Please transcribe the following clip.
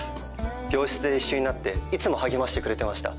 病室で一緒になっていつも励ましてくれてました。